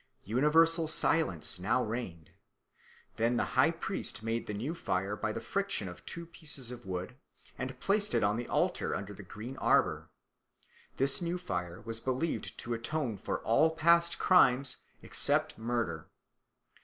Universal silence now reigned. Then the high priest made the new fire by the friction of two pieces of wood, and placed it on the altar under the green arbour. This new fire was believed to atone for all past crimes except murder.